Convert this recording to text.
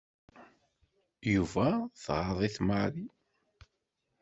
Yuba tɣaḍ-it Mary.